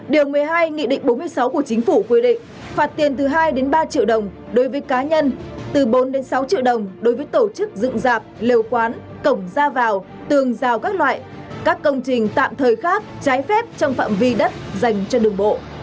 điều một mươi hai nghị định bốn mươi sáu của chính phủ quy định phạt tiền từ hai ba triệu đồng đối với cá nhân từ bốn sáu triệu đồng đối với tổ chức dựng dạp lều quán cổng ra vào tường rào các loại các công trình tạm thời khác trái phép trong phạm vi đất dành cho đường bộ